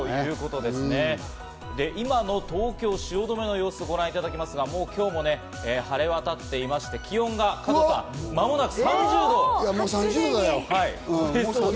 今の東京・汐留の様子をご覧いただきますが、今日も晴れ渡っていまして、気温がまもなく３０度。